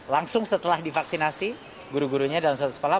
langsung setelah divaksinasi guru gurunya dalam satu sekolah